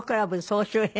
総集編。